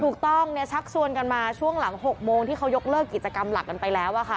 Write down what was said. ถูกต้องชักชวนกันมาช่วงหลัง๖โมงที่เขายกเลิกกิจกรรมหลักกันไปแล้วอะค่ะ